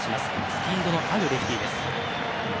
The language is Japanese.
スピードのあるレフティです。